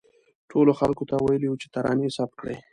ټولو خلکو ته ویلي وو چې ترانې ثبت کړي.